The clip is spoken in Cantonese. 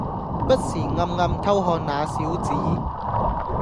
不時暗暗偷看那小子